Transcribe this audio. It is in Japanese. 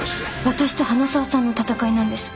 私と花澤さんの戦いなんです。